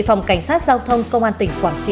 hẹn gặp lại